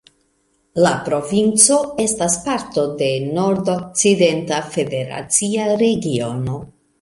La provinco estas parto de Nordokcidenta federacia regiono.